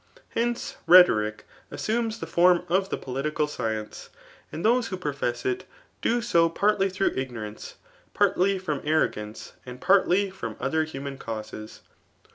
Hence, rhetoric assumes the formjof tttfi'political [science,] and those who profess it, doao padby diPBugh ignorance l^vtly ^r^'"^ arcog^Kc^ and partly bom cAet buman.causes.